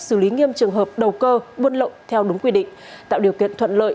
xử lý nghiêm trường hợp đầu cơ buôn lậu theo đúng quy định tạo điều kiện thuận lợi